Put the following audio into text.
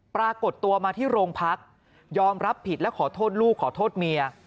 ปรากฏตัวมาที่โรงพักยอมรับผิดและขอโทษลูกขอโทษเมีย